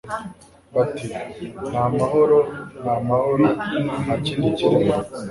bati : "Ni amahoro n'amahoro nta kibi kiriho."